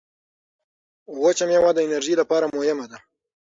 وچه مېوه د انرژۍ لپاره مهمه ده.